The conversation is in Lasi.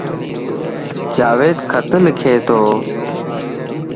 جاويد خط لک تو